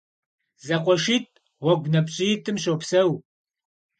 ЗэкъуэшитӀ гъуэгунапщӀитӀым щопсэу.